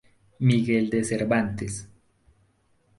Miguel de Cervantes.